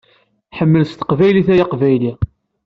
Ḥemmel s teqbaylit ay aqbayli!